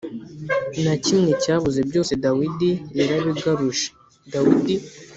Na kimwe cyabuze byose dawidi yarabigaruje dawidi